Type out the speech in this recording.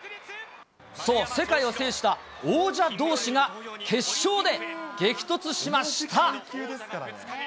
そう、世界を制した王者どうしが決勝で激突しました。